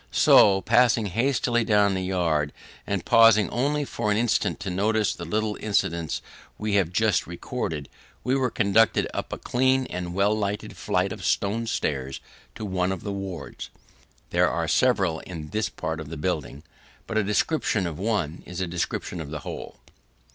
So, passing hastily down the yard, and pausing only for an instant to notice the little incidents we have just recorded, we were conducted up a clean and well lighted flight of stone stairs to one of the wards. There are several in this part of the building, but a description of one is a description of the whole.